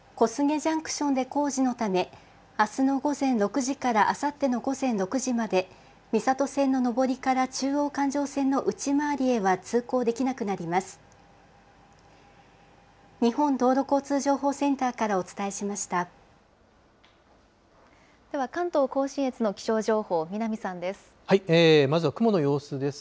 小菅ジャンクションで工事のため、あすの午前６時からあさっての午前６時まで、三郷線の上りから中央環状線の内回りへは通行できなくなります。